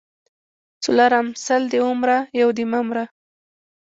څلرم:سل دي ومره یو دي مه مره